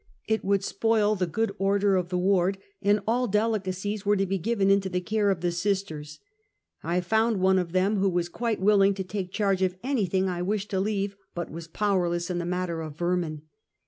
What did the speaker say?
It would spoil the good order of the ward, and all delicacies were to be given into the care of the Sisters. I found one of them who was quite willing to take charge of anything I wished to leave, but was powerless in the matter of vermin.